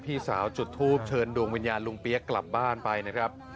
พี่สาวจุดทูปเชิญดวงวิญญาณลุงเปี๊ยกกลับบ้านไปนะครับ